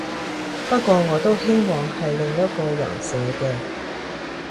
不過我都希望係另外一個人寫嘅